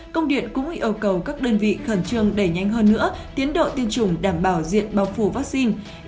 công điện cũng yêu cầu các đơn vị khẩn trương đẩy nhanh hơn nữa tiến độ tiêm chủng đảm bảo diện bao phủ vaccine